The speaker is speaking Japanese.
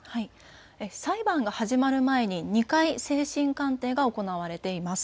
裁判が始まる前に２回精神鑑定が行われています。